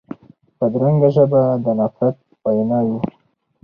بدرنګه ژبه د نفرت وینا وي